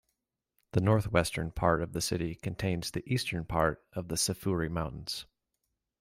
The northwestern part of the city contains the eastern part of the Sefuri Mountains.